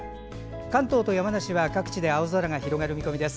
関東と山梨は各地で青空が広がる見込みです。